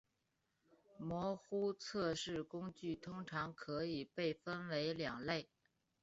模糊测试工具通常可以被分为两类。